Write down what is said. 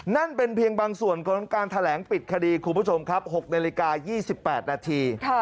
นั่นเป็นเพียงบางส่วนของการแถลงปิดคดีคุณผู้ชมครับ๖นาฬิกา๒๘นาที